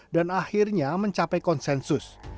dan akhirnya mencapai konsensus